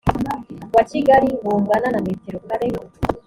wa kigali bungana na metero kare